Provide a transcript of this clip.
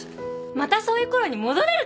またそういうころに戻れるかも。